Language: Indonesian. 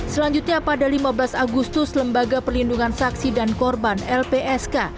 selanjutnya pada lima belas agustus lembaga perlindungan saksi dan korban lpsk